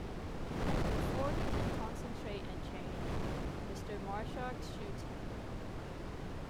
Before he can concentrate and change, Mr. Marshak shoots him.